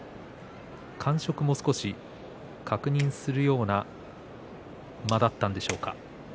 感触も少し確認するような間だったんでしょうか。